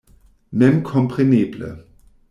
Memkompreneble.